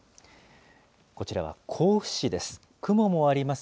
こちらは甲府市です。